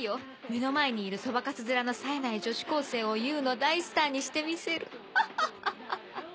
目の前にいるそばかす面のさえない女子高生をＵの大スターにしてみせるフォッフォッフォッ。